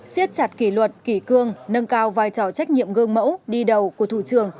xiết chặt kỷ luật kỷ cương nâng cao vai trò trách nhiệm gương mẫu đi đầu của thủ trường